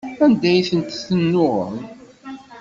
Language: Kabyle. Anda ay tent-tennuɣeḍ?